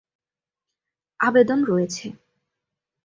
আবেদন রয়েছে।